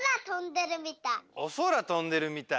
おそらとんでるみたい。